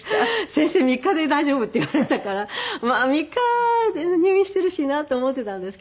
先生３日で大丈夫って言われたからまあ３日入院しているしなって思っていたんですけど。